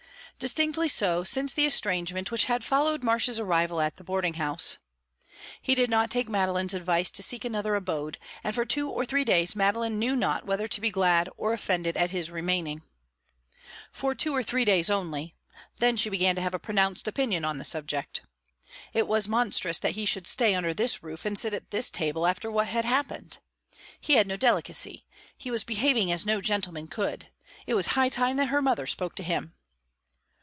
Distinctly so since the estrangement which had followed Marsh's arrival at the boarding house. He did not take Madeline's advice to seek another abode, and for two or three days Madeline knew not whether to be glad or offended at his remaining. For two or three days only; then she began to have a pronounced opinion on the subject. It was monstrous that he should stay under this roof and sit at this table, after what had happened. He had no delicacy; he was behaving as no gentleman could. It was high time that her mother spoke to him.